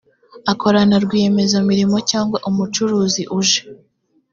akorana rwiyemezamirimo cyangwa umucuruzi uje